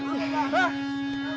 delar seluruh dihukum